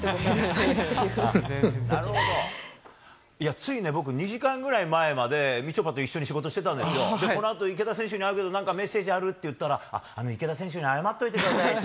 つい僕２時間ぐらい前までみちょぱと仕事してたけどこのあと池田選手に会うけど何かメッセージある？って聞いたら池田選手に謝っておいてくださいって。